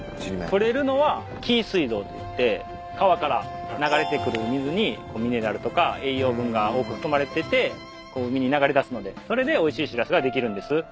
捕れるのは紀伊水道っていって川から流れてくる水にミネラルとか栄養分が多く含まれてて海に流れ出すのでそれでおいしいしらすができるんです。